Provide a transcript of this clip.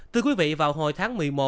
từ quý vị vào hồi tháng một mươi một